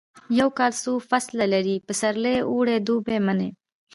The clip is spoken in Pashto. یو کال څلور فصله لري پسرلی اوړی دوبی ژمی